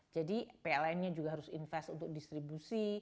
jadi pln nya juga harus investasi untuk distribusi